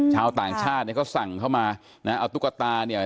ชาวต่างชาติเนี่ยก็สั่งเข้ามานะเอาตุ๊กตาเนี่ย